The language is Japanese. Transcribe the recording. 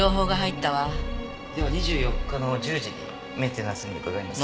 では２４日の１０時にメンテナンスに伺います。